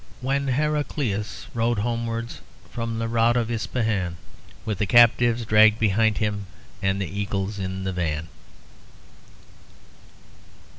When Heracleius rode homewards from the rout of Ispahan With the captives dragged behind him and the eagles in the van.